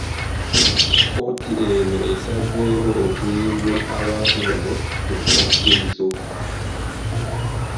Kkooti eno esazeewo okuyimbula abantu bano ku bukwakkulizo.